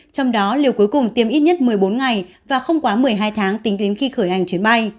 trong đó liều cuối cùng tiêm ít nhất một mươi bốn ngày và không quá một mươi hai tháng tính đến khi khởi hành chuyến bay